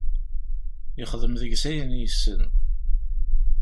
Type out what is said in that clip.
Ixdem deg-s ayen yessen.